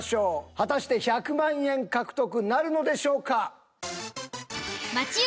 果たして１００万円獲得なるのでしょうか？